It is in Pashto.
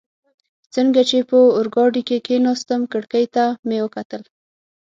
څنګه چي په اورګاډي کي کښېناستم، کړکۍ ته مې وکتل.